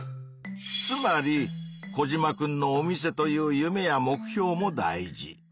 つまりコジマくんのお店という夢や目標も大事。